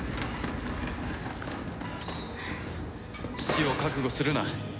死を覚悟するな。